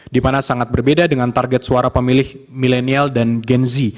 di mana sangat berbeda dengan target suara pemilih milenial dan gen z